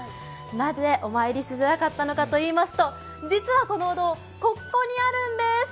なぜお参りしづらかったのかといいますと、実はこのお堂、ここにあるんです！